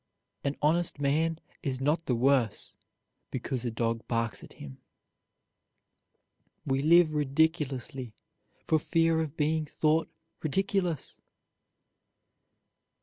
"An honest man is not the worse because a dog barks at him." We live ridiculously for fear of being thought ridiculous.